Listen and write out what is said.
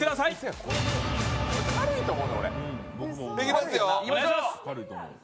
いきますよ。